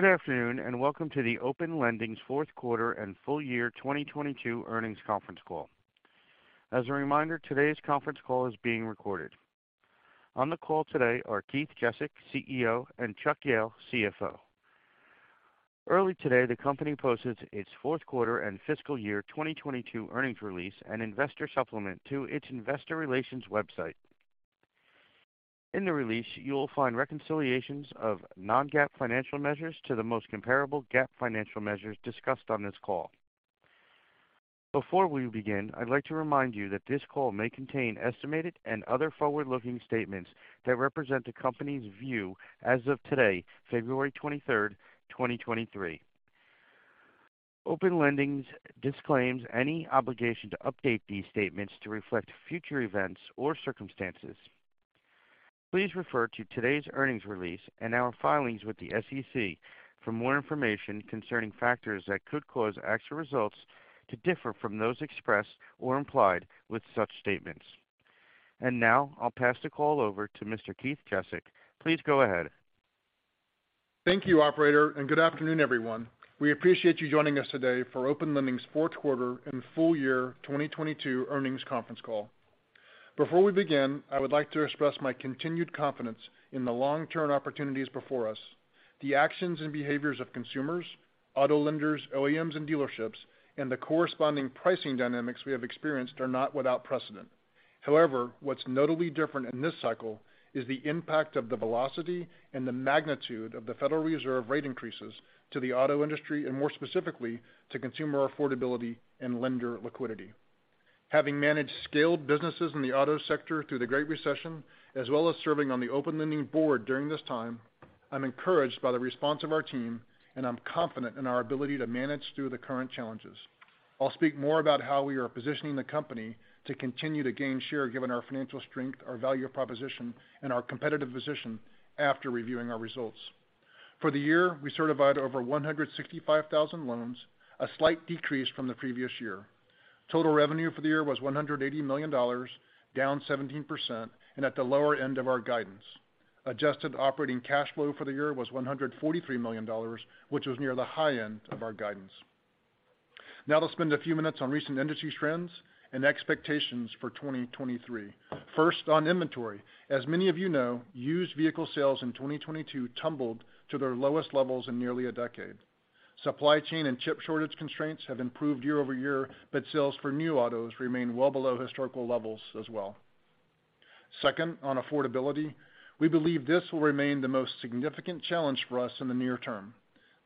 Good afternoon, and welcome to the Open Lending's Q4 and full year 2022 earnings conference call. As a reminder, today's conference call is being recorded. On the call today are Keith Jezek, CEO, and Chuck Jehl, CFO. Early today, the company posted its Q4 and fiscal year 2022 earnings release and investor supplement to its investor relations website. In the release, you will find reconciliations of non-GAAP financial measures to the most comparable GAAP financial measures discussed on this call. Before we begin, I'd like to remind you that this call may contain estimated and other forward-looking statements that represent the company's view as of today, February 23rd, 2023. Open Lending disclaims any obligation to update these statements to reflect future events or circumstances. Please refer to today's earnings release and our filings with the SEC for more information concerning factors that could cause actual results to differ from those expressed or implied with such statements. Now, I'll pass the call over to Mr. Keith Jezek. Please go ahead. Thank you, operator. Good afternoon, everyone. We appreciate you joining us today for Open Lending's Q4 and full year 2022 earnings conference call. Before we begin, I would like to express my continued confidence in the long-term opportunities before us. The actions and behaviors of consumers, auto lenders, OEMs and dealerships, and the corresponding pricing dynamics we have experienced are not without precedent. However, what's notably different in this cycle is the impact of the velocity and the magnitude of the Federal Reserve rate increases to the auto industry, and more specifically, to consumer affordability and lender liquidity. Having managed scaled businesses in the auto sector through the Great Recession, as well as serving on the Open Lending board during this time, I'm encouraged by the response of our team, and I'm confident in our ability to manage through the current challenges. I'll speak more about how we are positioning the company to continue to gain share given our financial strength, our value proposition, and our competitive position after reviewing our results. For the year, we certified over 165,000 loans, a slight decrease from the previous year. Total revenue for the year was $180 million, down 17% and at the lower end of our guidance. Adjusted operating cash flow for the year was $143 million, which was near the high end of our guidance. Now to spend a few minutes on recent industry trends and expectations for 2023. First, on inventory. As many of you know, used vehicle sales in 2022 tumbled to their lowest levels in nearly a decade. Supply chain and chip shortage constraints have improved year-over-year, sales for new autos remain well below historical levels as well. Second, on affordability. We believe this will remain the most significant challenge for us in the near term.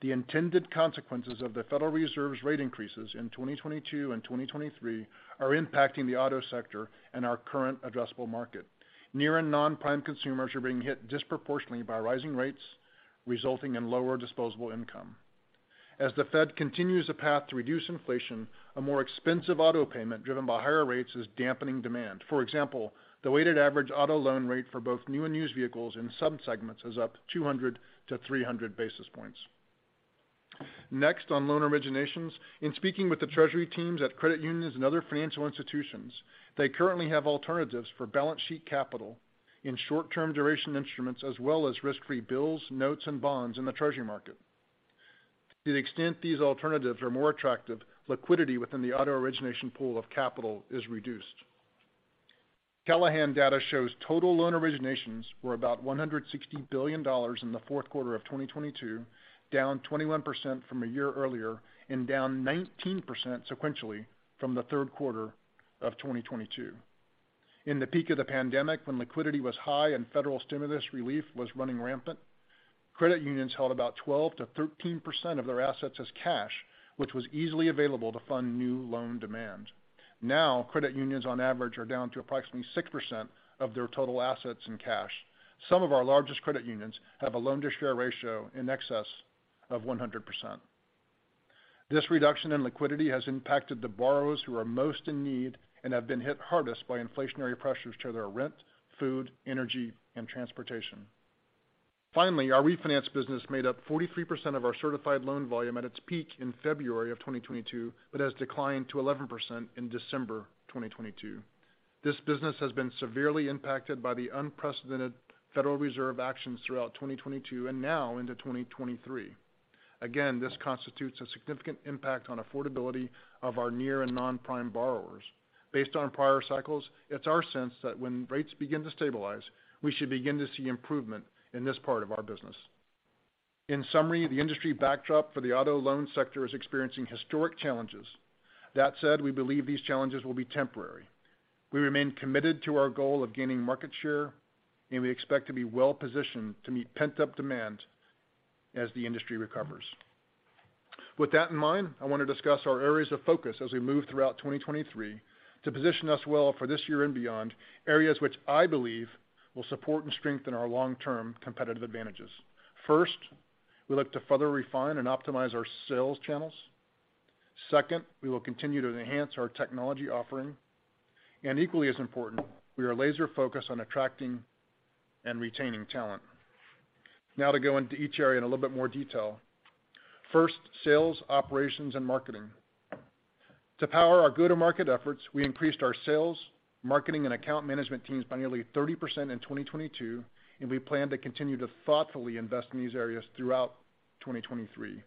The intended consequences of the Federal Reserve's rate increases in 2022 and 2023 are impacting the auto sector and our current addressable market. Near and non-prime consumers are being hit disproportionately by rising rates, resulting in lower disposable income. As the Fed continues the path to reduce inflation, a more expensive auto payment driven by higher rates is dampening demand. For example, the weighted average auto loan rate for both new and used vehicles in some segments is up 200 to 300 basis points. Next on loan originations. In speaking with the treasury teams at credit unions and other financial institutions, they currently have alternatives for balance sheet capital in short-term duration instruments, as well as risk-free bills, notes, and bonds in the treasury market. To the extent these alternatives are more attractive, liquidity within the auto origination pool of capital is reduced. Callahan data shows total loan originations were about $160 billion in the Q4 of 2022, down 21% from a year earlier and down 19% sequentially from the Q3 of 2022. In the peak of the pandemic, when liquidity was high and federal stimulus relief was running rampant, credit unions held about 12%-13% of their assets as cash, which was easily available to fund new loan demand. Now, credit unions on average are down to approximately 6% of their total assets in cash. Some of our largest credit unions have a loan-to-share ratio in excess of 100%. This reduction in liquidity has impacted the borrowers who are most in need and have been hit hardest by inflationary pressures to their rent, food, energy, and transportation. Our refinance business made up 43% of our certified loan volume at its peak in February 2022, but has declined to 11% in December 2022. This business has been severely impacted by the unprecedented Federal Reserve actions throughout 2022 and now into 2023. This constitutes a significant impact on affordability of our near and non-prime borrowers. Based on prior cycles, it's our sense that when rates begin to stabilize, we should begin to see improvement in this part of our business. The industry backdrop for the auto loan sector is experiencing historic challenges. That said, we believe these challenges will be temporary. We remain committed to our goal of gaining market share. We expect to be well-positioned to meet pent-up demand as the industry recovers. With that in mind, I want to discuss our areas of focus as we move throughout 2023 to position us well for this year and beyond, areas which I believe will support and strengthen our long-term competitive advantages. First, we look to further refine and optimize our sales channels. Second, we will continue to enhance our technology offering. Equally as important, we are laser-focused on attracting and retaining talent. Now to go into each area in a little bit more detail. First, sales, operations, and marketing. To power our go-to-market efforts, we increased our sales, marketing, and account management teams by nearly 30% in 2022, and we plan to continue to thoughtfully invest in these areas throughout 2023.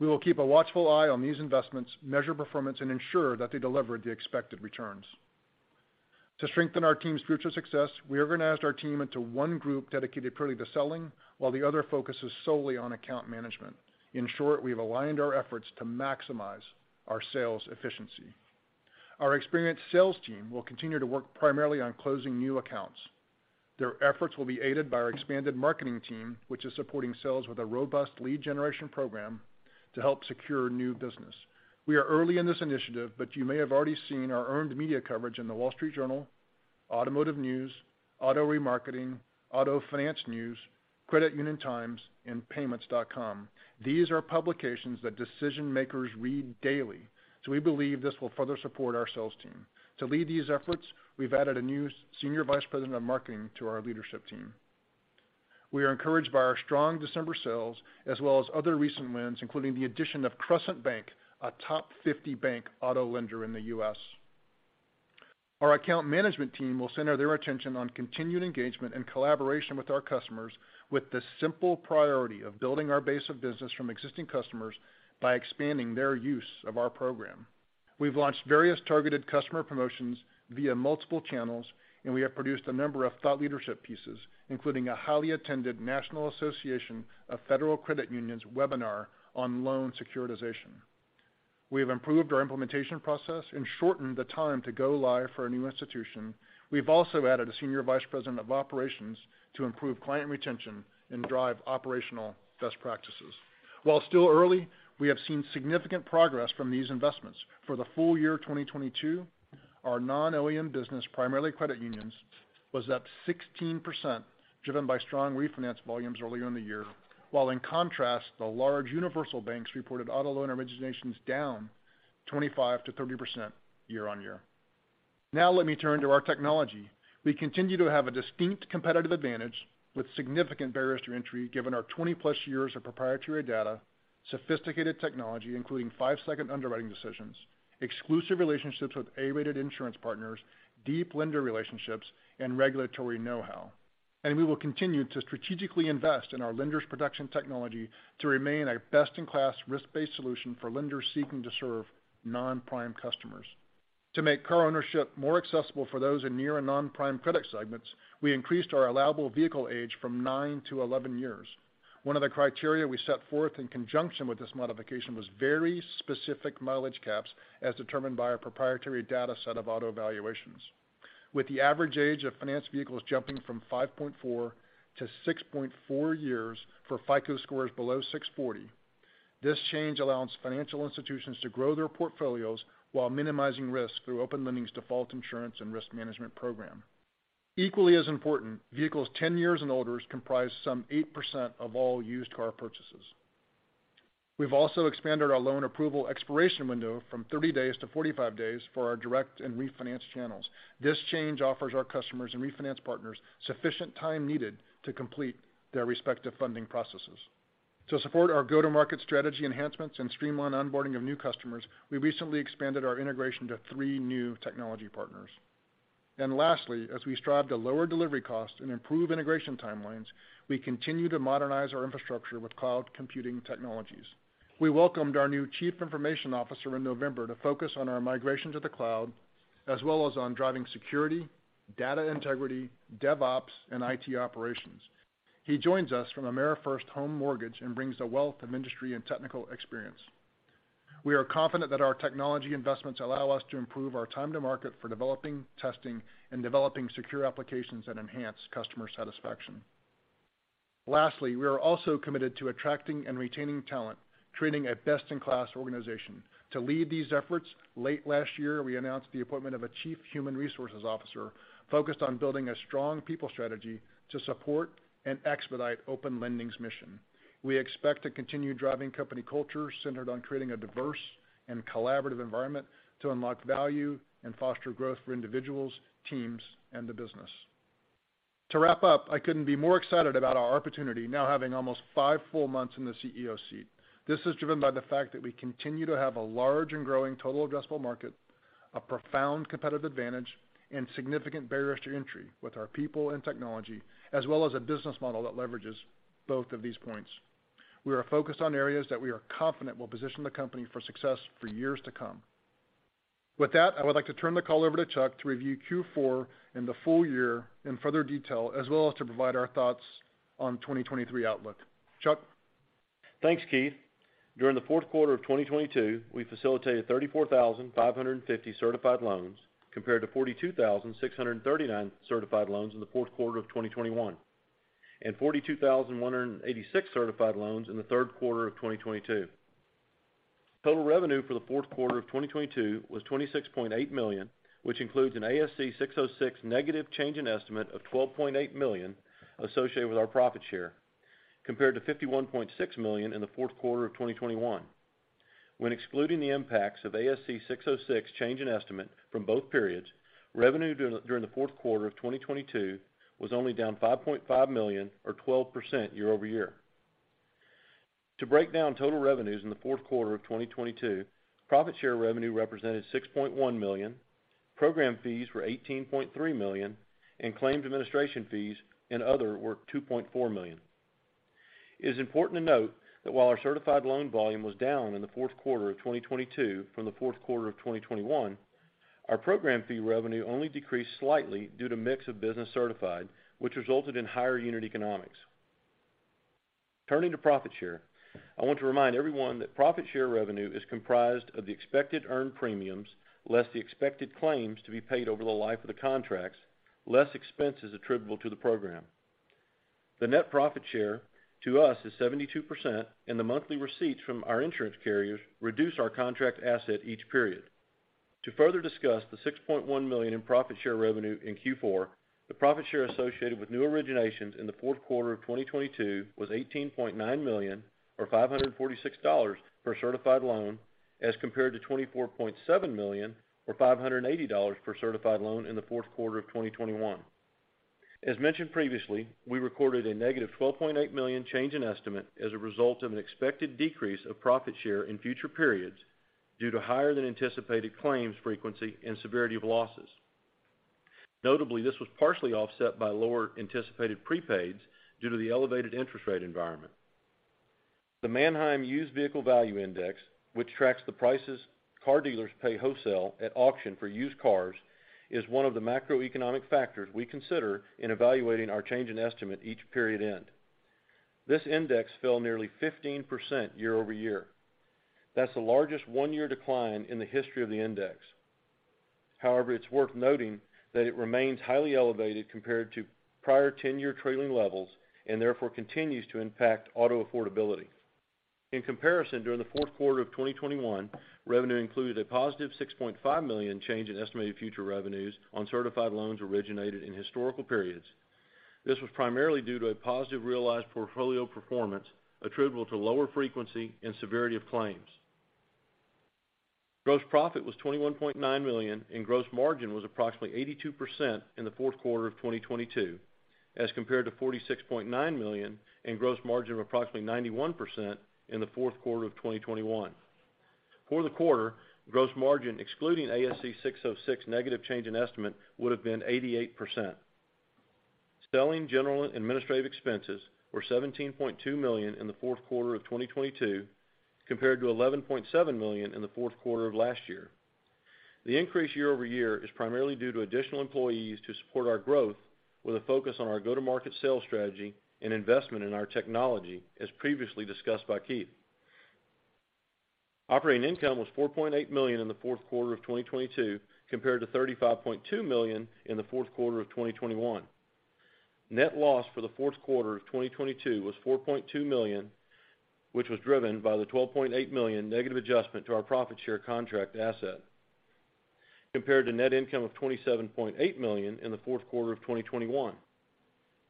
We will keep a watchful eye on these investments, measure performance, and ensure that they deliver the expected returns. To strengthen our team's future success, we organized our team into one group dedicated purely to selling, while the other focuses solely on account management. In short, we've aligned our efforts to maximize our sales efficiency. Our experienced sales team will continue to work primarily on closing new accounts. Their efforts will be aided by our expanded marketing team, which is supporting sales with a robust lead generation program to help secure new business. We are early in this initiative. You may have already seen our earned media coverage in The Wall Street Journal, Automotive News, Auto Remarketing, Auto Finance News, Credit Union Times, and PYMNTS.com. These are publications that decision-makers read daily. We believe this will further support our sales team. To lead these efforts, we've added a new senior vice president of marketing to our leadership team. We are encouraged by our strong December sales as well as other recent wins, including the addition of Crescent Bank, a top 50 bank auto lender in the U.S. Our account management team will center their attention on continued engagement and collaboration with our customers with the simple priority of building our base of business from existing customers by expanding their use of our program. We've launched various targeted customer promotions via multiple channels, and we have produced a number of thought leadership pieces, including a highly attended National Association of Federally-Insured Credit Unions webinar on loan securitization. We have improved our implementation process and shortened the time to go live for a new institution. We've also added a senior vice president of operations to improve client retention and drive operational best practices. While still early, we have seen significant progress from these investments. For the full year of 2022, our non-OEM business, primarily credit unions, was up 16%, driven by strong refinance volumes earlier in the year, while in contrast, the large universal banks reported auto loan originations down 25% to 30% year-on-year. Let me turn to our technology. We continue to have a distinct competitive advantage with significant barriers to entry, given our 20+ years of proprietary data, sophisticated technology, including 5-second underwriting decisions, exclusive relationships with A-rated insurance partners, deep lender relationships, and regulatory know-how. We will continue to strategically invest in our Lenders Protection technology to remain a best-in-class risk-based solution for lenders seeking to serve non-prime customers. To make car ownership more accessible for those in near and non-prime credit segments, we increased our allowable vehicle age from 9-11 years. One of the criteria we set forth in conjunction with this modification was very specific mileage caps as determined by our proprietary data set of auto evaluations. With the average age of financed vehicles jumping from 5.4 to 6.4 years for FICO scores below 640, this change allows financial institutions to grow their portfolios while minimizing risk through Open Lending's default insurance and risk management program. Equally as important, vehicles ten years and older comprise some 8% of all used car purchases. We've also expanded our loan approval expiration window from 30 days to 45 days for our direct and refinance channels. This change offers our customers and refinance partners sufficient time needed to complete their respective funding processes. To support our go-to-market strategy enhancements and streamline onboarding of new customers, we recently expanded our integration to 3 new technology partners. Lastly, as we strive to lower delivery costs and improve integration timelines, we continue to modernize our infrastructure with cloud computing technologies. We welcomed our new chief information officer in November to focus on our migration to the cloud, as well as on driving security, data integrity, DevOps, and IT operations. He joins us from AmeriFirst Home Mortgage and brings a wealth of industry and technical experience. We are confident that our technology investments allow us to improve our time to market for developing, testing, and developing secure applications that enhance customer satisfaction. Lastly, we are also committed to attracting and retaining talent, creating a best-in-class organization. To lead these efforts, late last year, we announced the appointment of a chief human resources officer focused on building a strong people strategy to support and expedite Open Lending's mission. We expect to continue driving company culture centered on creating a diverse and collaborative environment to unlock value and foster growth for individuals, teams, and the business. To wrap up, I couldn't be more excited about our opportunity now having almost five full months in the CEO seat. This is driven by the fact that we continue to have a large and growing total addressable market, a profound competitive advantage, and significant barriers to entry with our people and technology, as well as a business model that leverages both of these points. We are focused on areas that we are confident will position the company for success for years to come. I would like to turn the call over to Chuck to review Q4 and the full year in further detail, as well as to provide our thoughts on 2023 outlook. Chuck? Thanks, Keith. During the Q4 of 2022, we facilitated 34,550 certified loans, compared to 42,639 certified loans in the Q4 of 2021, and 42,186 certified loans in the Q3 of 2022. Total revenue for the Q4 of 2022 was $26.8 million, which includes an ASC 606 negative change in estimate of $12.8 million associated with our profit share, compared to $51.6 million in the Q4of 2021. When excluding the impacts of ASC 606 change in estimate from both periods, revenue during the Q4 of 2022 was only down $5.5 million or 12% year-over-year. Break down total revenues in the Q4 of 2022, profit share revenue represented $6.1 million, program fees were $18.3 million, and claims administration fees and other were $2.4 million. It is important to note that while our certified loan volume was down in the Q4 of 2022 from the Q4 of 2021, our program fee revenue only decreased slightly due to mix of business certified, which resulted in higher unit economics. Turning to profit share, I want to remind everyone that profit share revenue is comprised of the expected earned premiums, less the expected claims to be paid over the life of the contracts, less expenses attributable to the program. The net profit share to us is 72%. The monthly receipts from our insurance carriers reduce our contract asset each period. To further discuss the $6.1 million in profit share revenue in Q4, the profit share associated with new originations in the Q4 of 2022 was $18.9 million or $546 per certified loan, as compared to $24.7 million or $580 per certified loan in the Q4 of 2021. As mentioned previously, we recorded a negative $12.8 million change in estimate as a result of an expected decrease of profit share in future periods due to higher than anticipated claims frequency and severity of losses. Notably, this was partially offset by lower anticipated prepaids due to the elevated interest rate environment. The Manheim Used Vehicle Value Index, which tracks the prices car dealers pay wholesale at auction for used cars, is one of the macroeconomic factors we consider in evaluating our change in estimate each period end. This index fell nearly 15% year-over-year. That's the largest one year decline in the history of the index. However, it's worth noting that it remains highly elevated compared to prior ten year trailing levels, and therefore, continues to impact auto affordability. In comparison, during the Q4 of 2021, revenue included a +$6.5 million change in estimated future revenues on certified loans originated in historical periods. This was primarily due to a positive realized portfolio performance attributable to lower frequency and severity of claims. Gross profit was $21.9 million and gross margin was approximately 82% in the Q4 of 2022, as compared to $46.9 million and gross margin of approximately 91% in the Q4 of 2021. For the quarter, gross margin excluding ASC 606 negative change in estimate would have been 88%. Selling general and administrative expenses were $17.2 million in the Q4 of 2022 compared to $11.7 million in the Q4 of last year. The increase year-over-year is primarily due to additional employees to support our growth with a focus on our go-to-market sales strategy and investment in our technology, as previously discussed by Keith. Operating income was $4.8 million in the Q4 of 2022 compared to $35.2 million in the Q4 of 2021. Net loss for the Q4 of 2022 was $4.2 million, which was driven by the $12.8 million negative adjustment to our profit share contract asset compared to net income of $27.8 million in the Q4 of 2021.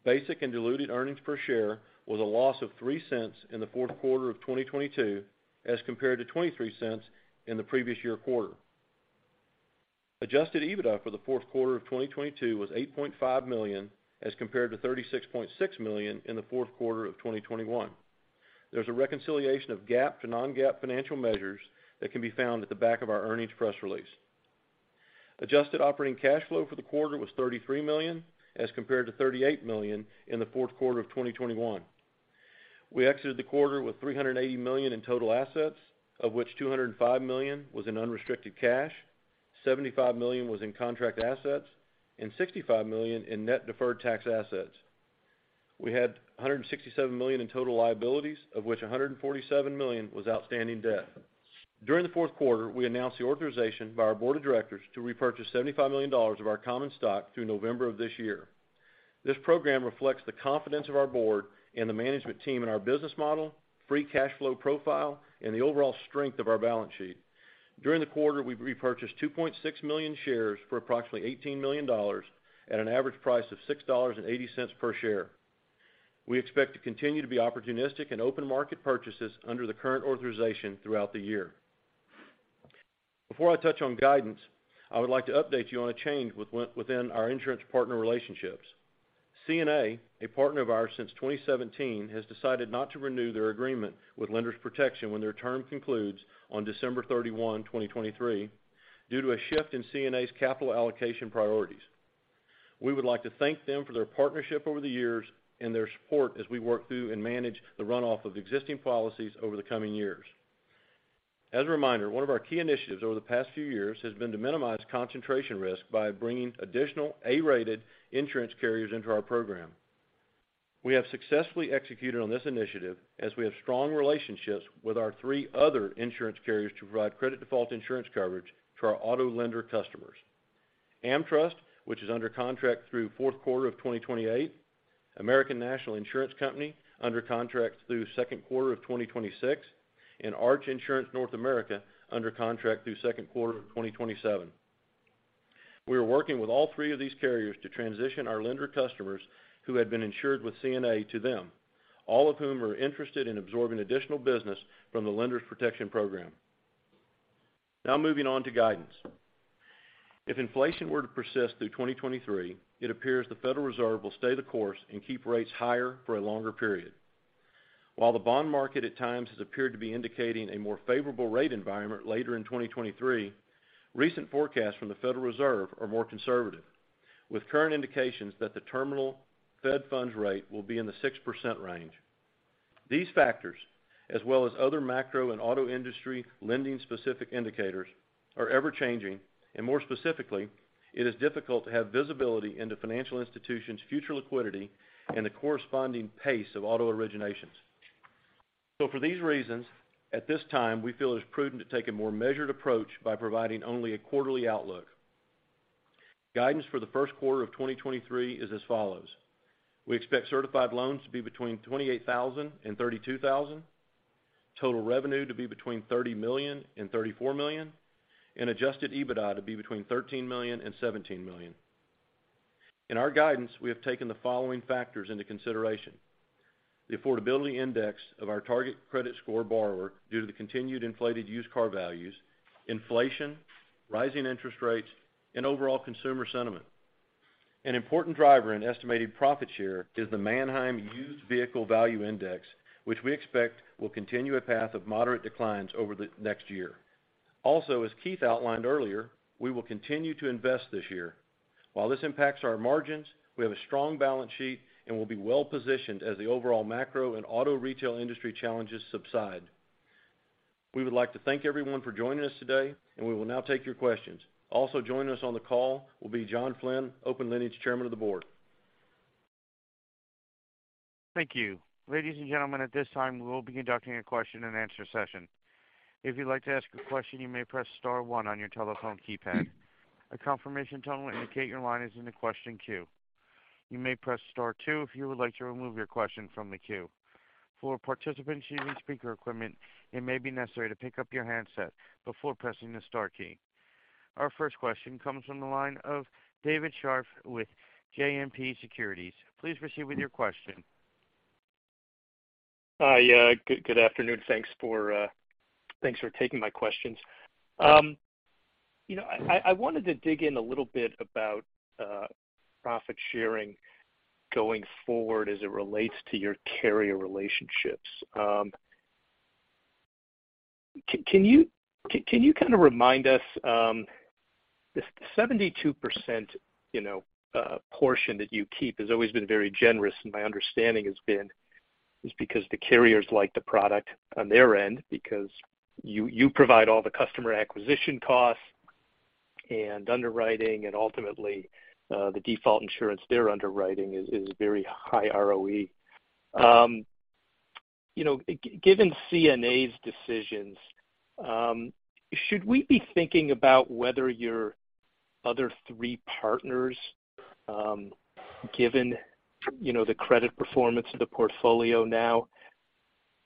Basic and diluted earnings per share was a loss of $0.03 in the Q4 of 2022 as compared to $0.23 in the previous year quarter. Adjusted EBITDA for the Q4 of 2022 was $8.5 million as compared to $36.6 million in the Q4 of 2021. There's a reconciliation of GAAP to non-GAAP financial measures that can be found at the back of our earnings press release. Adjusted operating cash flow for the quarter was $33 million as compared to $38 million in the Q4 of 2021. We exited the quarter with $380 million in total assets, of which $205 million was in unrestricted cash, $75 million was in contract assets, and $65 million in net deferred tax assets. We had $167 million in total liabilities, of which $147 million was outstanding debt. During the Q4, we announced the authorization by our board of directors to repurchase $75 million of our common stock through November of this year. This program reflects the confidence of our board and the management team in our business model, free cash flow profile, and the overall strength of our balance sheet. During the quarter, we repurchased 2.6 million shares for approximately $18 million at an average price of $6.80 per share. We expect to continue to be opportunistic in open market purchases under the current authorization throughout the year. Before I touch on guidance, I would like to update you on a change within our insurance partner relationships. CNA, a partner of ours since 2017, has decided not to renew their agreement with Lenders Protection when their term concludes on December 31, 2023, due to a shift in CNA's capital allocation priorities. We would like to thank them for their partnership over the years and their support as we work through and manage the runoff of existing policies over the coming years. As a reminder, one of our key initiatives over the past few years has been to minimize concentration risk by bringing additional A-rated insurance carriers into our program. We have successfully executed on this initiative as we have strong relationships with our three other insurance carriers to provide credit default insurance coverage to our auto lender customers. AmTrust, which is under contract through Q4 of 2028, American National Insurance Company under contract through Q2 of 2026, Arch Insurance North America under contract through Q2 of 2027. We are working with all three of these carriers to transition our lender customers who had been insured with CNA to them, all of whom are interested in absorbing additional business from the Lenders Protection program. Moving on to guidance. If inflation were to persist through 2023, it appears the Federal Reserve will stay the course and keep rates higher for a longer period. While the bond market at times has appeared to be indicating a more favorable rate environment later in 2023, recent forecasts from the Federal Reserve are more conservative, with current indications that the terminal fed funds rate will be in the 6% range. These factors, as well as other macro and auto industry lending-specific indicators, are ever-changing. More specifically, it is difficult to have visibility into financial institutions' future liquidity and the corresponding pace of auto originations. For these reasons, at this time, we feel it is prudent to take a more measured approach by providing only a quarterly outlook. Guidance for the Q1 of 2023 is as follows: We expect certified loans to be between 28,000 and 32,000, total revenue to be between $30 million and $34 million, and adjusted EBITDA to be between $13 million and $17 million. In our guidance, we have taken the following factors into consideration: the affordability index of our target credit score borrower due to the continued inflated used car values, inflation, rising interest rates, and overall consumer sentiment. An important driver in estimated profit share is the Manheim Used Vehicle Value Index, which we expect will continue a path of moderate declines over the next year. As Keith outlined earlier, we will continue to invest this year. While this impacts our margins, we have a strong balance sheet and will be well-positioned as the overall macro and auto retail industry challenges subside. We would like to thank everyone for joining us today, and we will now take your questions. Joining us on the call will be John Flynn, Open Lending Chairman of the Board. Thank you. Ladies and gentlemen, at this time, we will be conducting a question and answer session. If you'd like to ask a question, you may press star one on your telephone keypad. A confirmation tone will indicate your line is in the question queue. You may press star two if you would like to remove your question from the queue. For participants using speaker equipment, it may be necessary to pick up your handset before pressing the star key. Our first question comes from the line of David Scharf with JMP Securities. Please proceed with your question. Hi. Good afternoon. Thanks for taking my questions. You know, I wanted to dig in a little bit about profit sharing going forward as it relates to your carrier relationships. Can you kind of remind us, the 72%, you know, portion that you keep has always been very generous, and my understanding has been is because the carriers like the product on their end because you provide all the customer acquisition costs and underwriting and ultimately, the default insurance they're underwriting is very high ROE. You know, given CNA's decisions, should we be thinking about whether your other three partners, given, you know, the credit performance of the portfolio now,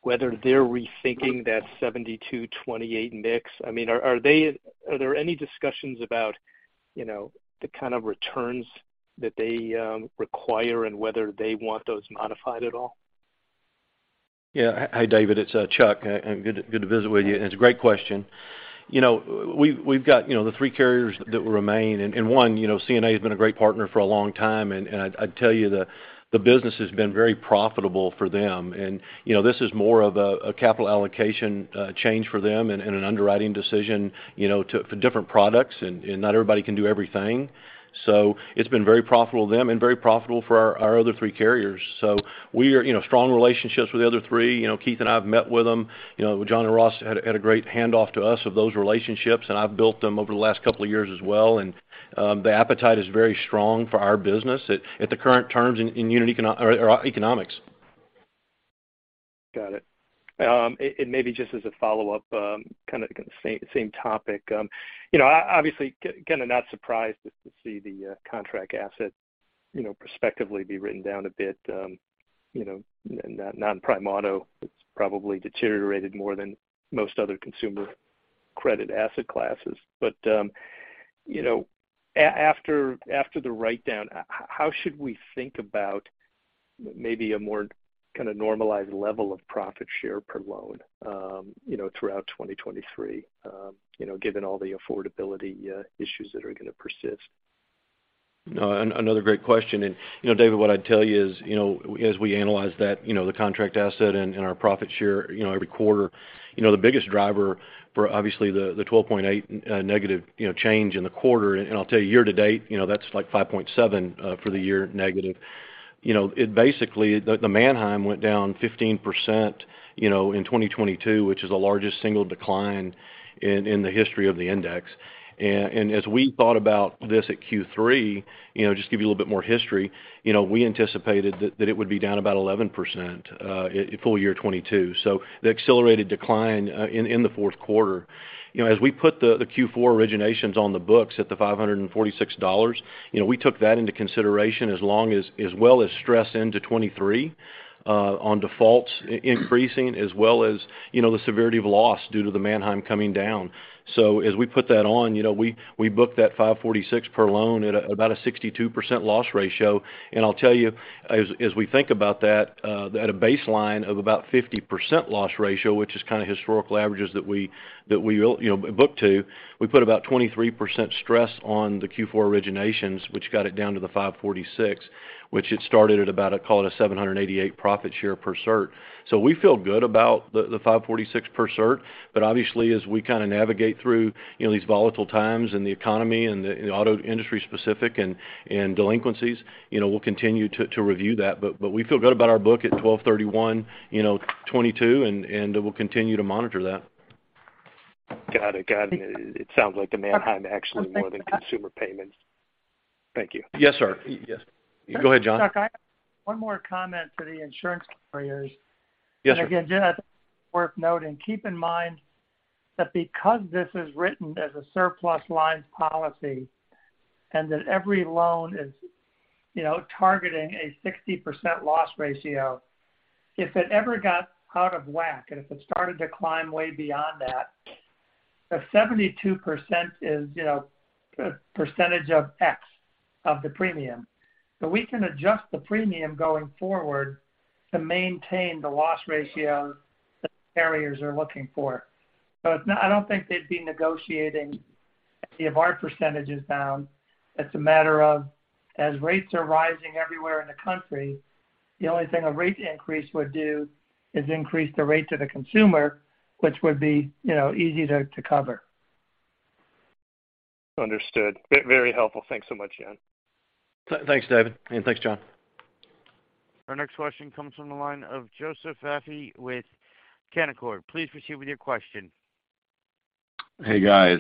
whether they're rethinking that 72 to 28 mix? I mean, are they? Are there any discussions about, you know, the kind of returns that they require and whether they want those modified at all? Yeah. Hi, David. It's Chuck. Good to visit with you. It's a great question. You know, we've got, you know, the three carriers that remain. One, you know, CNA has been a great partner for a long time, and I'd tell you the business has been very profitable for them. You know, this is more of a capital allocation change for them and an underwriting decision, you know, for different products and not everybody can do everything. It's been very profitable to them and very profitable for our other three carriers. We are, you know, strong relationships with the other three. You know, Keith and I have met with them. You know, John and Ross had a great handoff to us of those relationships, and I've built them over the last couple of years as well. The appetite is very strong for our business at the current terms in or economics. Got it. Maybe just as a follow-up, kind of the same topic. You know, obviously, kind of not surprised to see the contract asset, you know, perspectively be written down a bit. You know, in that non-prime auto, it's probably deteriorated more than most other consumer credit asset classes. After the writedown, how should we think about maybe a more kind of normalized level of profit share per loan, you know, throughout 2023, you know, given all the affordability issues that are going to persist? No, another great question. You know, David, what I'd tell you is, you know, as we analyze that, you know, the contract asset and our profit share, you know, every quarter, you know, the biggest driver for obviously the 12.8 negative, you know, change in the quarter, and I'll tell you year-to-date, you know, that's like 5.7 for the year negative. You know, it basically, the Manheim went down 15%, you know, in 2022, which is the largest single decline in the history of the index. As we thought about this at Q3, you know, just give you a little bit more history, you know, we anticipated that it would be down about 11% full year 2022. The accelerated decline in the Q4. You know, as we put the Q4 originations on the books at the $546, you know, we took that into consideration as long as well as stress into 2023 on defaults increasing as well as, you know, the severity of loss due to the Manheim coming down. As we put that on, you know, we booked that $546 per loan at about a 62% loss ratio. I'll tell you, as we think about that, at a baseline of about 50% loss ratio, which is kind of historical averages that we will, you know, book to, we put about 23% stress on the Q4 originations, which got it down to the $546. Which it started at about, call it a $788 profit share per cert. We feel good about the $546 per cert. Obviously, as we kind of navigate through, you know, these volatile times in the economy and the auto industry specific and delinquencies, you know, we'll continue to review that. We feel good about our book at 12/31/2022, and we'll continue to monitor that. Got it. Got it. It sounds like the Manheim actually more than consumer payments. Thank you. Yes, sir. Yes. Go ahead, John. Chuck, I have one more comment to the insurance carriers. Yes, sir. Just worth noting, keep in mind that because this is written as a surplus lines policy and that every loan is, you know, targeting a 60% loss ratio, if it ever got out of whack and if it started to climb way beyond that, the 72% is, you know, percentage of X of the premium. We can adjust the premium going forward to maintain the loss ratio that the carriers are looking for. It's not, I don't think they'd be negotiating if our percentage is down. It's a matter of as rates are rising everywhere in the country, the only thing a rate increase would do is increase the rate to the consumer, which would be, you know, easy to cover. Understood. Very helpful. Thanks so much, John. Thanks, David. Thanks, John. Our next question comes from the line of Joseph Vafi with Canaccord. Please proceed with your question. Hey, guys.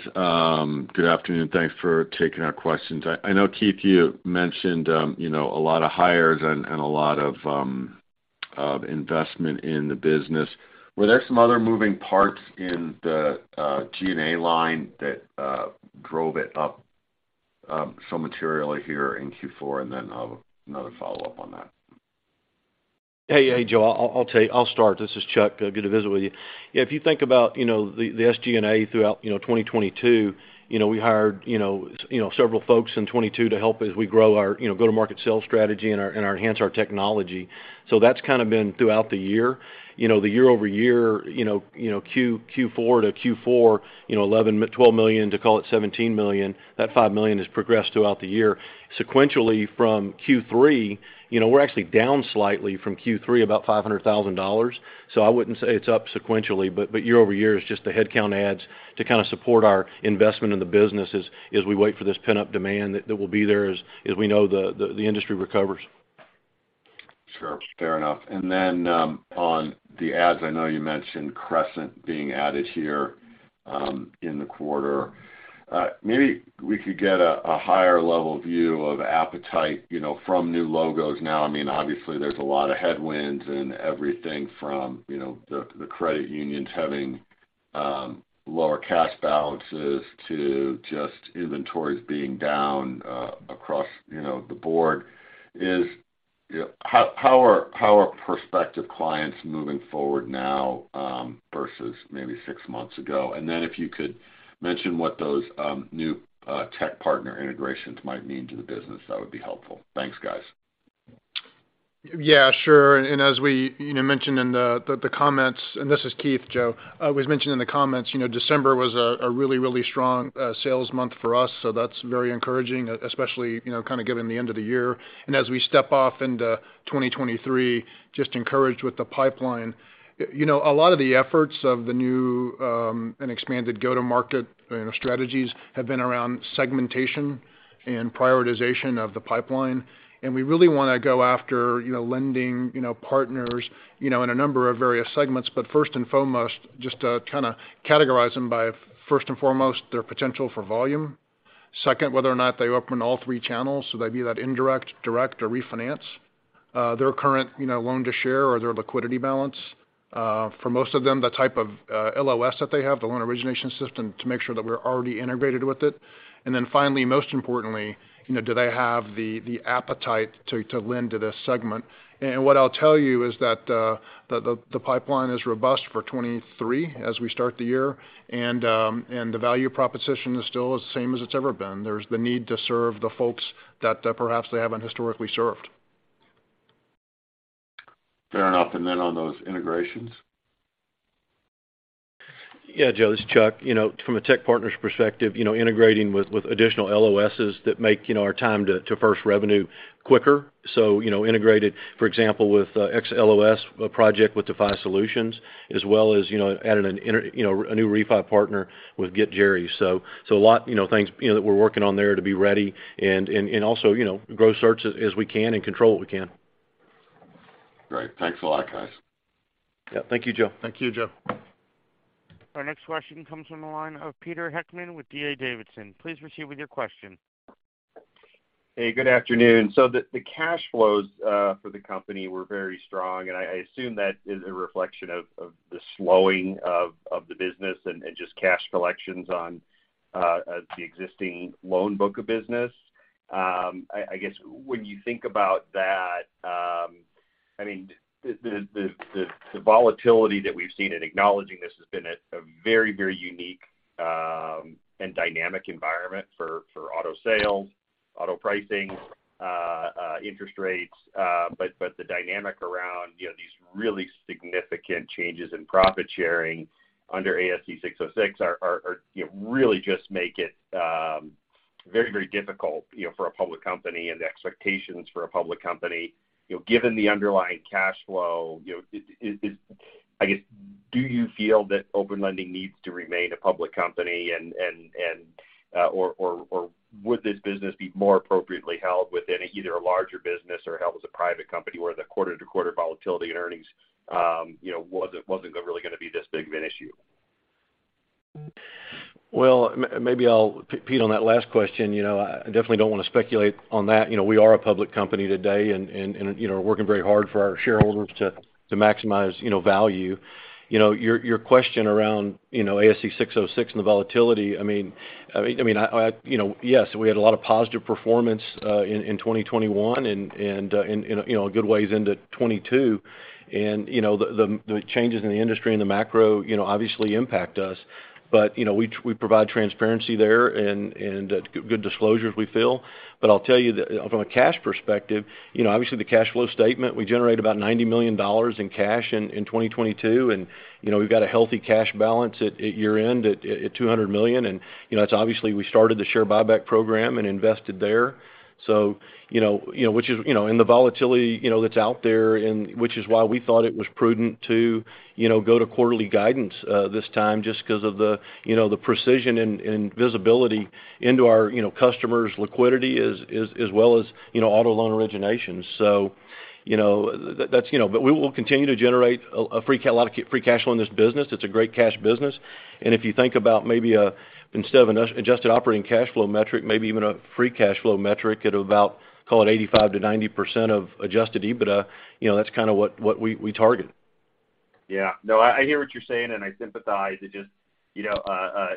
Good afternoon. Thanks for taking our questions. I know, Keith, you mentioned, you know, a lot of hires and a lot of investment in the business. Were there some other moving parts in the G&A line that drove it up so materially here in Q4? Another follow-up on that. Hey, Joe. I'll tell you. I'll start. This is Chuck. Good to visit with you. If you think about, you know, the SG&A throughout, you know, 2022, you know, we hired, you know, several folks in 2022 to help as we grow our, you know, go-to-market sales strategy and enhance our technology. That's kind of been throughout the year. You know, the year-over-year, you know, Q4 to Q4, you know, $11 million to $12 million to call it $17 million, that $5 million has progressed throughout the year. Sequentially from Q3, you know, we're actually down slightly from Q3 about $500,000. I wouldn't say it's up sequentially, but year-over-year, it's just the headcount adds to kind of support our investment in the business as we wait for this pent-up demand that will be there as we know the industry recovers. Sure. Fair enough. On the adds, I know you mentioned Crescent being added here in the quarter. Maybe we could get a higher level view of appetite, you know, from new logos now. I mean, obviously there's a lot of headwinds and everything from, you know, the credit unions having lower cash balances to just inventories being down across, you know, the board. How are prospective clients moving forward now versus maybe six months ago? If you could mention what those new tech partner integrations might mean to the business, that would be helpful. Thanks, guys. Yeah, sure. As we, you know, mentioned in the comments, this is Keith, Joe was mentioning in the comments, you know, December was a really strong sales month for us, so that's very encouraging, especially, you know, kind of given the end of the year. As we step off into 2023, just encouraged with the pipeline. You know, a lot of the efforts of the new and expanded go-to-market, you know, strategies have been around segmentation and prioritization of the pipeline. We really wanna go after, you know, lending, you know, partners, you know, in a number of various segments. First and foremost, just to kind of categorize them by, first and foremost, their potential for volume. Second, whether or not they open all three channels, so that'd be that indirect, direct or refinance, their current, you know, loan to share or their liquidity balance. For most of them, the type of LOS that they have, the loan origination system, to make sure that we're already integrated with it. Finally, most importantly, you know, do they have the appetite to lend to this segment? What I'll tell you is that the pipeline is robust for 2023 as we start the year, and the value proposition is still the same as it's ever been. There's the need to serve the folks that perhaps they haven't historically served. Fair enough. On those integrations? Yeah, Joe, this is Chuck. You know, from a tech partners perspective, you know, integrating with additional LOSs that make, you know, our time to first revenue quicker. Integrated, for example, with XLOS, a project with defi SOLUTIONS, as well as, you know, adding a new refi partner with GetJerry. A lot, you know, things, you know, that we're working on there to be ready and also, you know, grow certs as we can and control what we can. Great. Thanks a lot, guys. Yeah. Thank you, Joe. Thank you, Joe. Our next question comes from the line of Peter Heckmann with D.A. Davidson. Please proceed with your question. Good afternoon. The cash flows for the company were very strong, and I assume that is a reflection of the slowing of the business and just cash collections on the existing loan book of business. I guess when you think about that, I mean, the volatility that we've seen and acknowledging this has been a very, very unique and dynamic environment for auto sales, auto pricing, interest rates, but the dynamic around, you know, these really significant changes in profit sharing under ASC 606 are, you know, really just make it very, very difficult, you know, for a public company and the expectations for a public company. You know, given the underlying cash flow, you know, is. I guess, do you feel that Open Lending needs to remain a public company and or would this business be more appropriately held within either a larger business or held as a private company, where the quarter-to-quarter volatility in earnings, you know, wasn't really gonna be this big of an issue? Well, maybe I'll Pete, on that last question, you know, I definitely don't want to speculate on that. You know, we are a public company today and, you know, working very hard for our shareholders to maximize, you know, value. You know, your question around, you know, ASC 606 and the volatility, I mean, you know, yes, we had a lot of positive performance in 2021 and, you know, a good ways into 2022. You know, the changes in the industry and the macro, you know, obviously impact us. You know, we provide transparency there and good disclosures, we feel. I'll tell you that from a cash perspective, you know, obviously the cash flow statement, we generate about $90 million in cash in 2022. You know, we've got a healthy cash balance at year-end at $200 million. You know, that's obviously, we started the share buyback program and invested there. You know, you know, which is, you know, and the volatility, you know, that's out there and which is why we thought it was prudent to, you know, go to quarterly guidance this time just 'cause of the, you know, the precision and visibility into our, you know, customers' liquidity as well as, you know, auto loan originations. You know, that's, you know. We will continue to generate a lot of free cash flow in this business. It's a great cash business. If you think about maybe, instead of an adjusted operating cash flow metric, maybe even a free cash flow metric at about, call it 85% to 90% of adjusted EBITDA, you know, that's kind of what we target. Yeah. No, I hear what you're saying, and I sympathize. It just, you know,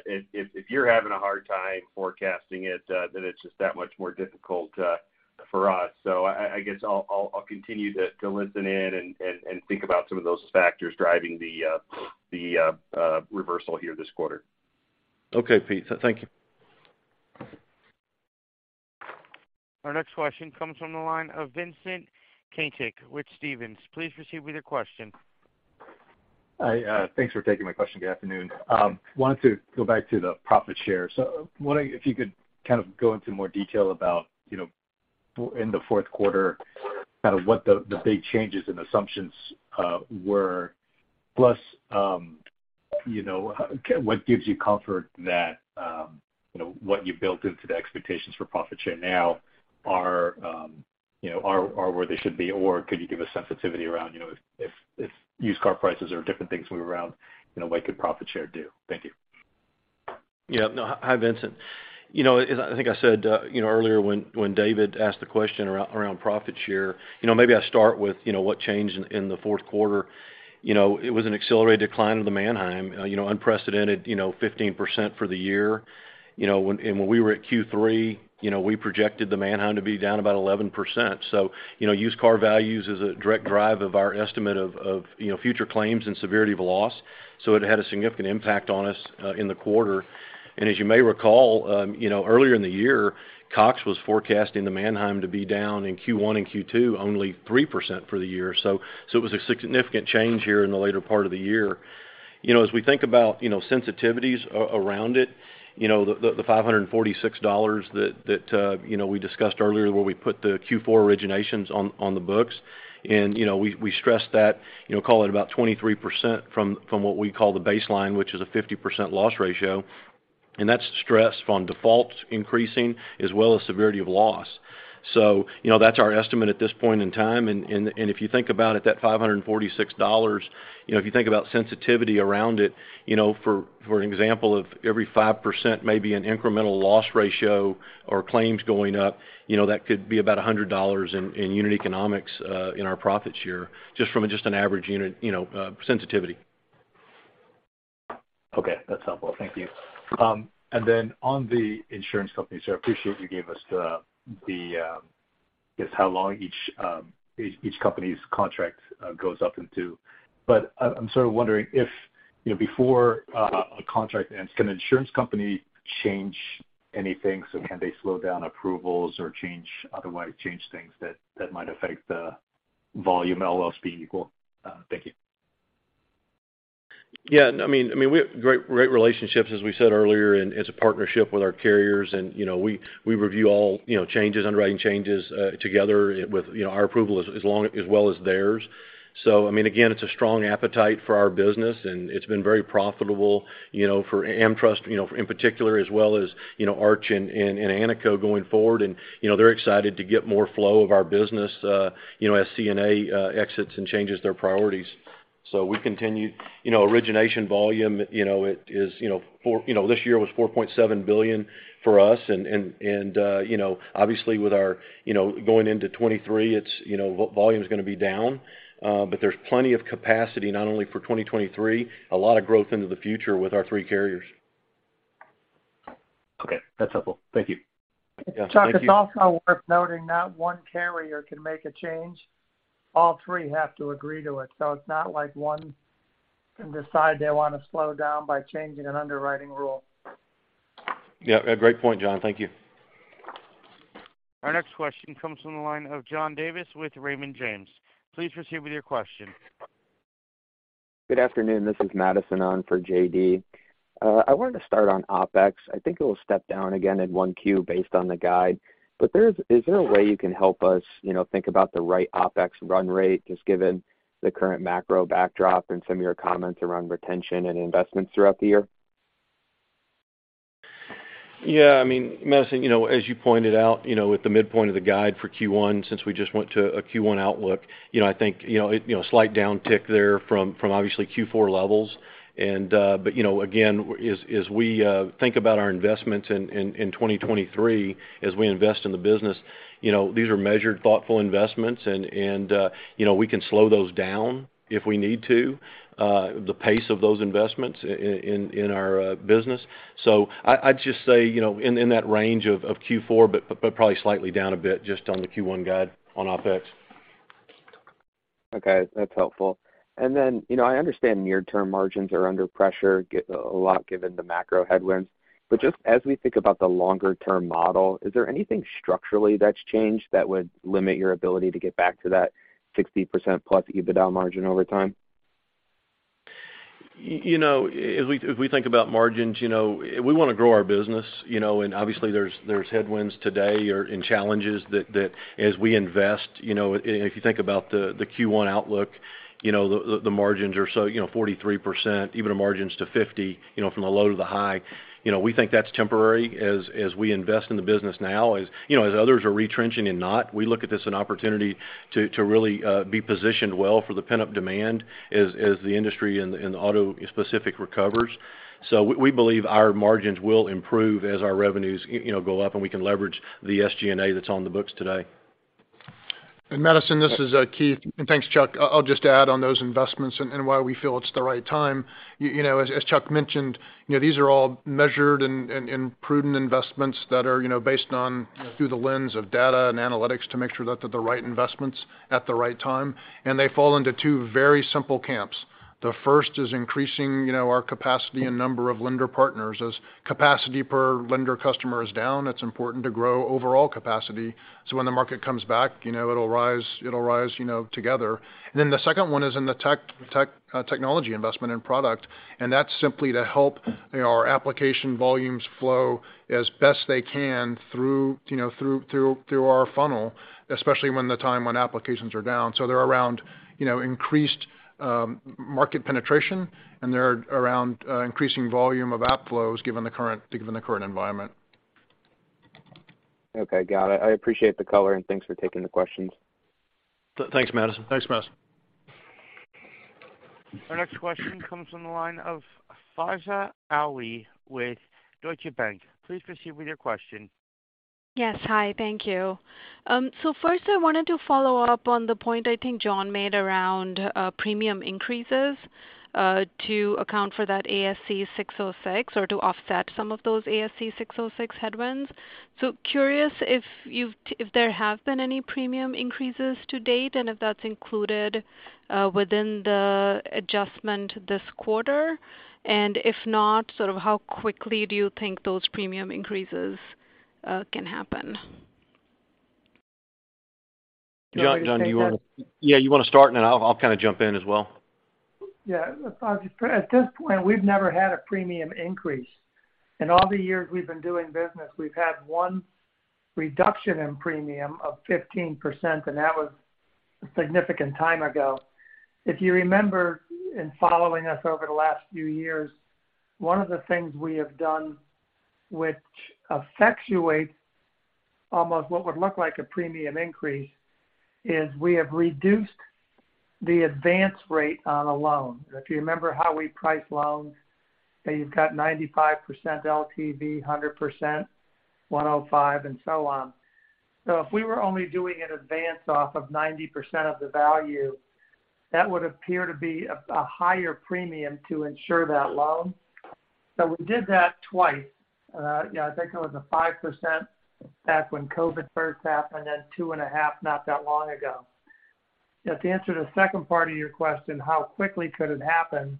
if you're having a hard time forecasting it, then it's just that much more difficult for us. I guess I'll continue to listen in and think about some of those factors driving the reversal here this quarter. Okay, Pete. Thank you. Our next question comes from the line of Vincent Caintic with Stephens. Please proceed with your question. Hi, thanks for taking my question. Good afternoon. Wanted to go back to the profit share. Wondering if you could kind of go into more detail about in the Q4, kind of what the big changes in assumptions were. Plus, what gives you comfort that what you built into the expectations for profit share now are where they should be? Or could you give a sensitivity around if used car prices or different things move around, what could profit share do? Thank you. Yeah. No, hi, Vincent. You know, as I think I said, you know, earlier when David asked the question around profit share, you know, maybe I start with, you know, what changed in the Q4. You know, it was an accelerated decline of the Manheim, you know, unprecedented, you know, 15% for the year. You know, when we were at Q3, you know, we projected the Manheim to be down about 11%. Used car values is a direct drive of our estimate of, you know, future claims and severity of loss. It had a significant impact on us in the quarter. As you may recall, you know, earlier in the year, Cox was forecasting the Manheim to be down in Q1 and Q2 only 3% for the year. It was a significant change here in the later part of the year. You know, as we think about, you know, sensitivities around it, you know, the, the $546 that, you know, we discussed earlier where we put the Q4 originations on the books. You know, we stressed that, you know, call it about 23% from what we call the baseline, which is a 50% loss ratio. That's stress on defaults increasing as well as severity of loss. You know, that's our estimate at this point in time. If you think about it, that $546, you know, if you think about sensitivity around it, you know, for an example of every 5%, maybe an incremental loss ratio or claims going up, you know, that could be about $100 in unit economics, in our profit share, just from just an average unit, you know, sensitivity. Okay, that's helpful. Thank you. On the insurance companies, I appreciate you gave us the, guess how long each company's contract, goes up into. I'm sort of wondering if, you know, before, a contract ends, can an insurance company change anything? Can they slow down approvals or change, otherwise change things that might affect the volume, all else being equal? Thank you. I mean, I mean, we have great relationships, as we said earlier, and it's a partnership with our carriers. You know, we review all, you know, changes, underwriting changes, together with, you know, our approval as well as theirs. I mean, again, it's a strong appetite for our business, and it's been very profitable, you know, for AmTrust, you know, in particular, as well as, you know, Arch and American National going forward. You know, they're excited to get more flow of our business, you know, as CNA exits and changes their priorities. We continue. You know, origination volume, you know, it is, you know, this year was $4.7 billion for us. You know, obviously, with our, you know, going into 2023, it's, you know, volume's gonna be down. There's plenty of capacity not only for 2023, a lot of growth into the future with our three carriers. Okay, that's helpful. Thank you. Yeah. Thank you. Chuck, it's also worth noting not one carrier can make a change. All three have to agree to it. It's not like one can decide they want to slow down by changing an underwriting rule. Yeah, a great point, John. Thank you. Our next question comes from the line of John Davis with Raymond James. Please proceed with your question. Good afternoon, this is Madison on for JD. I wanted to start on OpEx. I think it will step down again in 1Q based on the guide. Is there a way you can help us, you know, think about the right OpEx run rate, just given the current macro backdrop and some of your comments around retention and investments throughout the year? Yeah. I mean, Madison, you know, as you pointed out, you know, with the midpoint of the guide for Q1, since we just went to a Q1 outlook, you know, I think, you know, slight downtick there from obviously Q4 levels. You know, again, as we think about our investments in 2023, as we invest in the business, you know, these are measured, thoughtful investments and, you know, we can slow those down if we need to, the pace of those investments in our business. I'd just say, you know, in that range of Q4, but probably slightly down a bit just on the Q1 guide on OpEx. Okay, that's helpful. Then, you know, I understand near-term margins are under pressure a lot given the macro headwinds. Just as we think about the longer-term model, is there anything structurally that's changed that would limit your ability to get back to that 60%+ EBITDA margin over time? You know, if we, if we think about margins, you know, we want to grow our business, you know, there's headwinds today and challenges that, as we invest, you know, if you think about the Q1 outlook, you know, the margins are so, you know, 43% EBITDA margins to 50%, you know, from the low to the high. You know, we think that's temporary as we invest in the business now. As, you know, as others are retrenching and not, we look at this as an opportunity to really be positioned well for the pent-up demand as the industry and the auto specific recovers. We believe our margins will improve as our revenues, you know, go up, and we can leverage the SG&A that's on the books today. Madison, this is Keith. Thanks, Chuck. I'll just add on those investments and why we feel it's the right time. You know, as Chuck mentioned, you know, these are all measured and prudent investments that are, you know, based on, you know, through the lens of data and analytics to make sure that they're the right investments at the right time. They fall into two very simple camps. The first is increasing, you know, our capacity and number of lender partners. As capacity per lender customer is down, it's important to grow overall capacity, so when the market comes back, you know, it'll rise, you know, together. The second one is in the technology investment and product. That's simply to help, you know, our application volumes flow as best they can through, you know, through our funnel, especially when the time when applications are down. They're around, you know, increased market penetration, and they're around increasing volume of app flows given the current environment. Okay. Got it. I appreciate the color, and thanks for taking the questions. Thanks, Madison. Thanks, Madison. Our next question comes from the line of Faiza Alwy with Deutsche Bank. Please proceed with your question. Yes. Hi, thank you. First I wanted to follow up on the point I think John made around premium increases to account for that ASC 606 or to offset some of those ASC 606 headwinds. Curious if there have been any premium increases to date, and if that's included within the adjustment this quarter. If not, sort of how quickly do you think those premium increases can happen? John. Do you want me to take that? Yeah, you wanna start? I'll kind of jump in as well. Faiza, at this point, we've never had a premium increase. In all the years we've been doing business, we've had one reduction in premium of 15%, and that was a significant time ago. If you remember in following us over the last few years, one of the things we have done which effectuates almost what would look like a premium increase is we have reduced the advance rate on a loan. If you remember how we price loans, you know, you've got 95% LTV, 100%, 105 and so on. If we were only doing an advance off of 90% of the value, that would appear to be a higher premium to insure that loan. We did that twice. Yeah, I think it was a 5% back when COVID first happened, then 2.5% not that long ago. To answer the second part of your question, how quickly could it happen?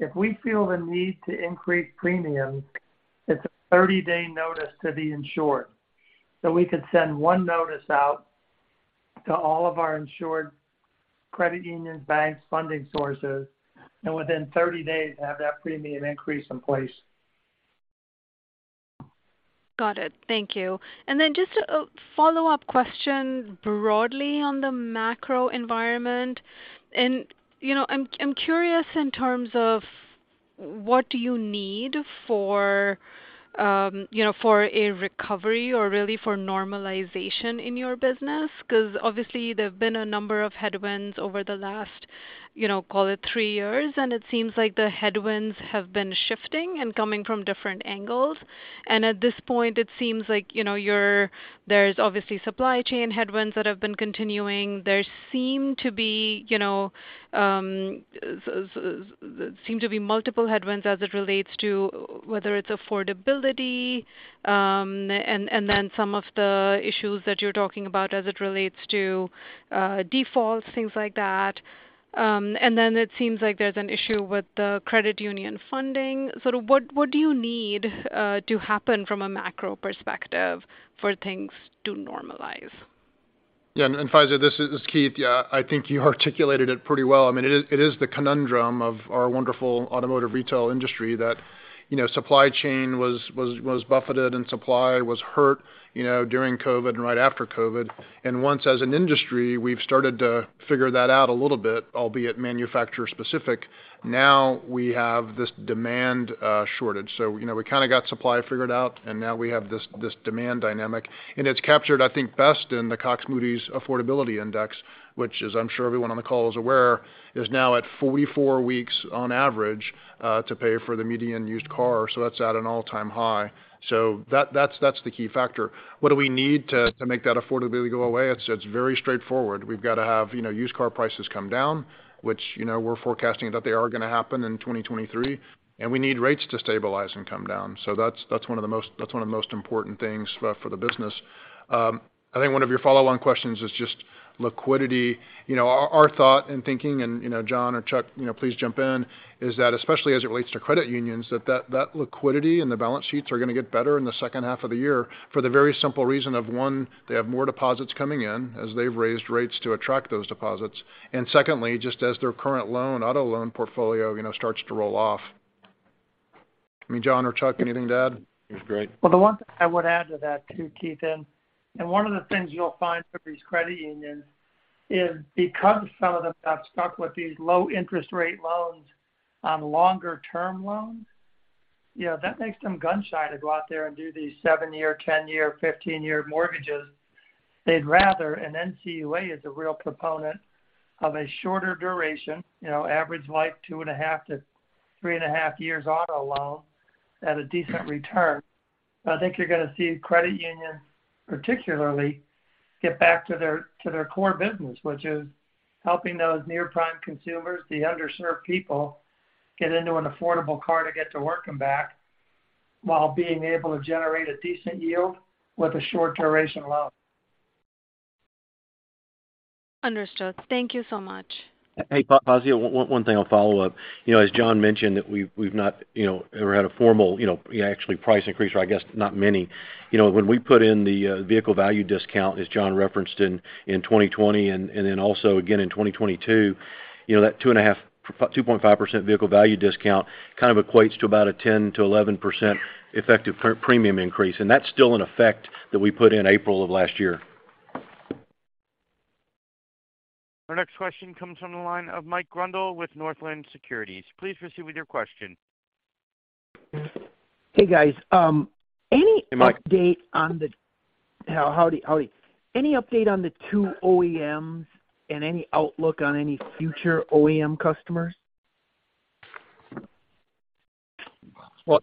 If we feel the need to increase premiums, it's a 30-day notice to the insured. We could send 1 notice out to all of our insured credit unions, banks, funding sources, and within 30 days have that premium increase in place. Got it. Thank you. Just a follow-up question broadly on the macro environment. You know, I'm curious in terms of what do you need for, you know, for a recovery or really for normalization in your business? 'Cause obviously there've been a number of headwinds over the last, you know, call it 3 years, and it seems like the headwinds have been shifting and coming from different angles. At this point it seems like, you know, there's obviously supply chain headwinds that have been continuing. There seem to be, you know, seem to be multiple headwinds as it relates to whether it's affordability, and then some of the issues that you're talking about as it relates to defaults, things like that. Then it seems like there's an issue with the credit union funding. Sort of what do you need to happen from a macro perspective for things to normalize? Faiza, this is Keith. I think you articulated it pretty well. I mean, it is the conundrum of our wonderful automotive retail industry that, you know, supply chain was buffeted and supply was hurt, you know, during COVID and right after COVID. Once, as an industry, we've started to figure that out a little bit, albeit manufacturer-specific. Now we have this demand shortage. You know, we kind of got supply figured out, and now we have this demand dynamic. It's captured, I think, best in the Cox Moody's Affordability Index, which as I'm sure everyone on the call is aware, is now at 44 weeks on average, to pay for the median used car. That's at an all-time high. That's the key factor. What do we need to make that affordability go away? It's very straightforward. We've got to have, you know, used car prices come down, which, you know, we're forecasting that they are gonna happen in 2023. We need rates to stabilize and come down. That's one of the most important things for the business. I think one of your follow-on questions is just liquidity. You know, our thought and thinking and, you know, John or Chuck, you know, please jump in, is that especially as it relates to credit unions, that liquidity and the balance sheets are gonna get better in the H2 of the year for the very simple reason of, one, they have more deposits coming in as they've raised rates to attract those deposits. Secondly, just as their current loan, auto loan portfolio, you know, starts to roll off. I mean, John or Chuck, anything to add? It was great. The one thing I would add to that too, Keith, and one of the things you'll find for these credit unions is because some of them got stuck with these low interest rate loans on longer-term loans, you know, that makes them gun-shy to go out there and do these seven-year, ten-year, 15-year mortgages. They'd rather. NCUA is a real proponent of a shorter duration, you know, average life, 2.5 to 3.5 years auto loan at a decent return. I think you're gonna see credit unions particularly get back to their core business, which is helping those near-prime consumers, the underserved people, get into an affordable car to get to work and back while being able to generate a decent yield with a short-duration loan. Understood. Thank you so much. Hey, Faiza, one thing I'll follow up. As John mentioned that we've not, you know, ever had a formal, you know, actually price increase, or I guess not many. When we put in the vehicle value discount, as John referenced in 2020 and then also again in 2022, that 2.5% vehicle value discount kind of equates to about a 10% to 11% effective pre-premium increase, and that's still in effect that we put in April of last year. Our next question comes from the line of Mike Grondahl with Northland Securities. Please proceed with your question. Hey, guys. Hey, Mike. Howdy, howdy. Any update on the two OEMs and any outlook on any future OEM customers? Well,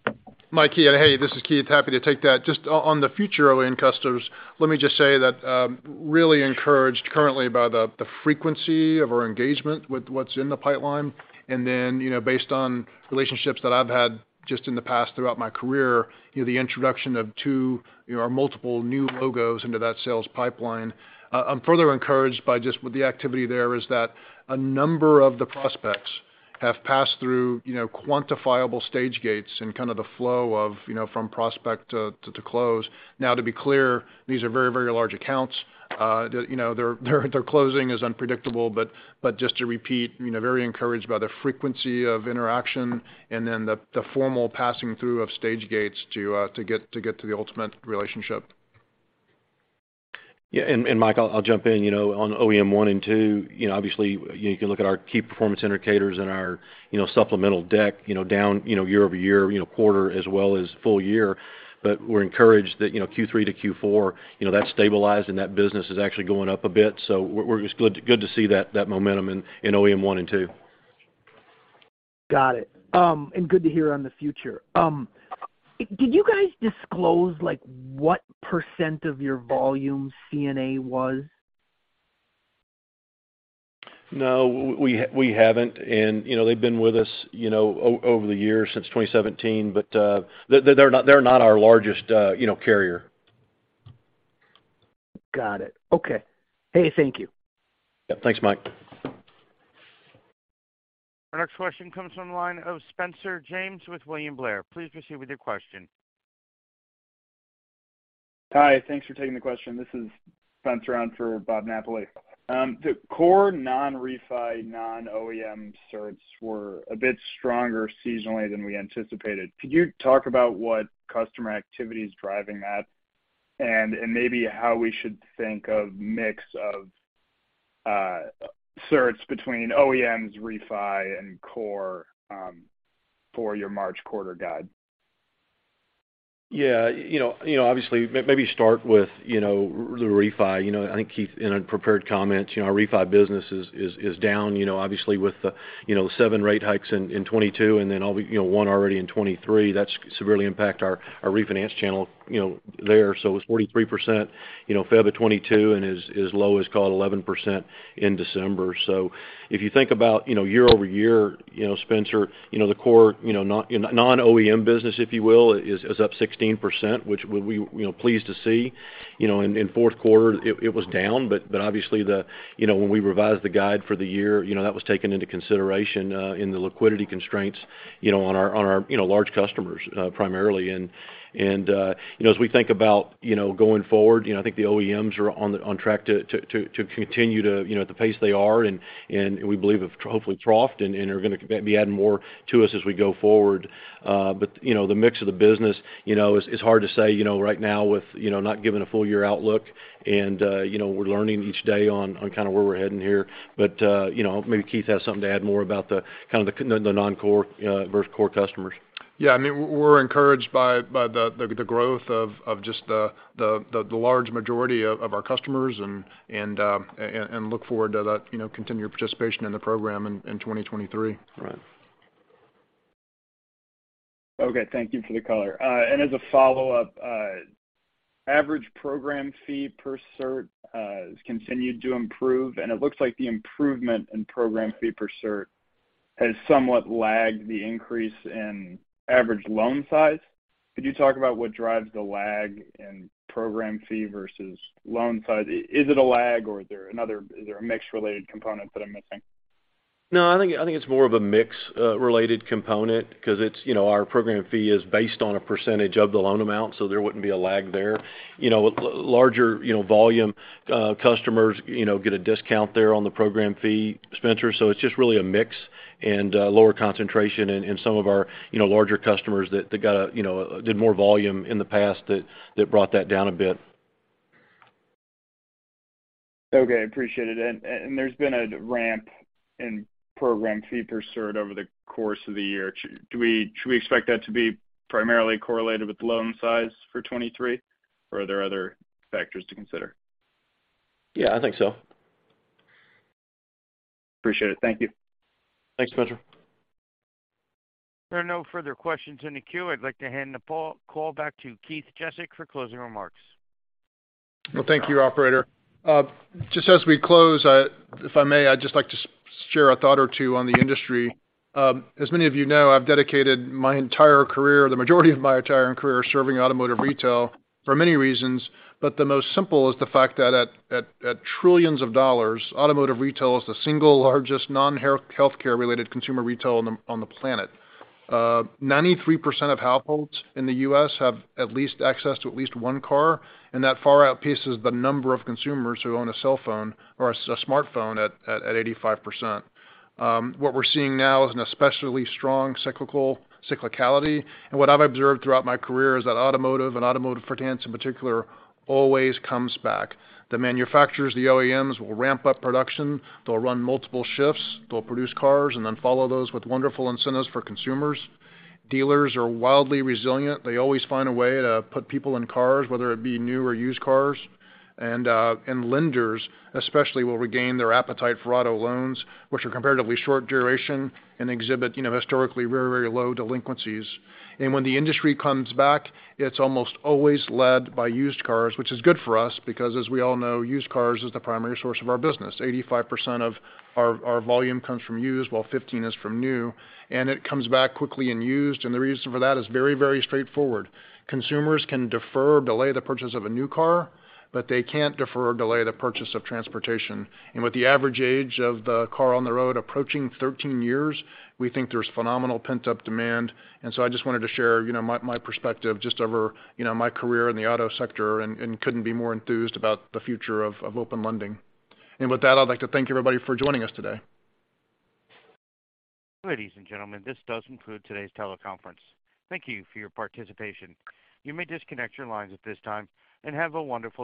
Mike, yeah. Hey, this is Keith. Happy to take that. Just on the future OEM customers, let me just say that, really encouraged currently by the frequency of our engagement with what's in the pipeline. Based on relationships that I've had just in the past throughout my career, you know, the introduction of two or multiple new logos into that sales pipeline. I'm further encouraged by just with the activity there is that a number of the prospects have passed through, you know, quantifiable stage gates and kind of the flow of, you know, from prospect to close. Now to be clear, these are very, very large accounts. You know, their closing is unpredictable, but just to repeat, you know, very encouraged by the frequency of interaction and then the formal passing through of stage gates to get to the ultimate relationship. Yeah, Mike, I'll jump in. You know, on OEM 1 and 2, you know, obviously you can look at our key performance indicators in our, you know, supplemental deck, you know, down, you know, year-over-year, you know, quarter as well as full year. We're encouraged that, you know, Q3 to Q4, you know, that's stabilized and that business is actually going up a bit. We're just good to see that momentum in OEM 1 and 2. Got it. Good to hear on the future. Did you guys disclose like what % of your volume CNA was? No, we haven't. You know, they've been with us, you know, over the years, since 2017, they're not, they're not our largest, you know, carrier. Got it. Okay. Hey, thank you. Yeah. Thanks, Mike. Our next question comes from the line of Spencer James with William Blair. Please proceed with your question. Hi. Thanks for taking the question. This is Spencer on for Bob Napoli. The core non-refi, non-OEM certs were a bit stronger seasonally than we anticipated. Could you talk about what customer activity is driving that and maybe how we should think of mix of certs between OEMs, refi, and core for your March quarter guide? You know, you know, obviously, maybe start with, you know, the refi. You know, I think Keith, in a prepared comment, you know, our refi business is down, you know, obviously with the, you know, 7 rate hikes in 2022 and then, you know, one already in 2023. That's severely impact our refinance channel, you know, there. It was 43%, you know, Feb of 2022 and as low as, call it, 11% in December. If you think about, you know, year-over-year, you know, Spencer, you know, the core, you know, non-OEM business, if you will, is up 16%, which we, you know, pleased to see. You know, in Q4 it was down. obviously the, you know, when we revised the guide for the year, you know, that was taken into consideration, in the liquidity constraints, you know, on our, you know, large customers, primarily. You know, as we think about, you know, going forward, you know, I think the OEMs are on track to continue to, you know, at the pace they are and we believe have hopefully troughed and are gonna be adding more to us as we go forward. You know, the mix of the business, you know, is hard to say, you know, right now with, you know, not giving a full year outlook. You know, we're learning each day on kind of where we're heading here. You know, maybe Keith has something to add more about the kind of the non-core, versus core customers. Yeah, I mean, we're encouraged by the growth of just the large majority of our customers and look forward to that, you know, continued participation in the program in 2023. Right. Okay. Thank you for the color. As a follow-up, average program fee per cert has continued to improve and it looks like the improvement in program fee per cert has somewhat lagged the increase in average loan size. Could you talk about what drives the lag in program fee versus loan size? Is it a lag or is there a mix-related component that I'm missing? I think it's more of a mix related component 'cause it's, you know, our program fee is based on a % of the loan amount, there wouldn't be a lag there. Larger, you know, volume customers, you know, get a discount there on the program fee, Spencer. It's just really a mix and lower concentration in some of our, you know, larger customers that got, you know, did more volume in the past that brought that down a bit. Okay. Appreciate it. There's been a ramp in program fee per cert over the course of the year. Should we expect that to be primarily correlated with loan size for 2023, or are there other factors to consider? Yeah, I think so. Appreciate it. Thank you. Thanks, Spencer. There are no further questions in the queue. I'd like to hand the call back to Keith Jezek for closing remarks. Well, thank you, operator. Just as we close, if I may, I'd just like to share a thought or two on the industry. As many of you know, I've dedicated my entire career, the majority of my entire career, serving automotive retail for many reasons, but the most simple is the fact that at trillions of dollars, automotive retail is the single largest healthcare-related consumer retail on the planet. 93% of households in the U.S. have at least access to at least one car, that far outpaces the number of consumers who own a cellphone or a smartphone at 85%. What we're seeing now is an especially strong cyclicality. What I've observed throughout my career is that automotive and automotive finance in particular always comes back. The manufacturers, the OEMs will ramp up production. They'll run multiple shifts. They'll produce cars and then follow those with wonderful incentives for consumers. Dealers are wildly resilient. They always find a way to put people in cars, whether it be new or used cars. Lenders especially will regain their appetite for auto loans, which are comparatively short duration and exhibit, you know, historically very, very low delinquencies. When the industry comes back, it's almost always led by used cars, which is good for us because as we all know, used cars is the primary source of our business. 85% of our volume comes from used, while 15 is from new, and it comes back quickly in used. The reason for that is very, very straightforward. Consumers can defer or delay the purchase of a new car, but they can't defer or delay the purchase of transportation. With the average age of the car on the road approaching 13 years, we think there's phenomenal pent-up demand. I just wanted to share, you know, my perspective just over, you know, my career in the auto sector and couldn't be more enthused about the future of Open Lending. With that, I'd like to thank everybody for joining us today. Ladies and gentlemen, this does conclude today's teleconference. Thank you for your participation. You may disconnect your lines at this time and have a wonderful day.